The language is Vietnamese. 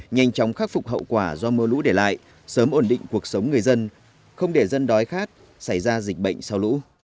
nhanh chóng khắc phục hậu quả do mưa lũ để lại sớm ổn định cuộc sống người dân không để dân đói khát xảy ra dịch bệnh sau lũ